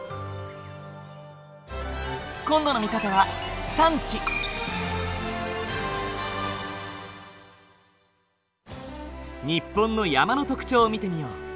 今度の見方は日本の山の特徴を見てみよう。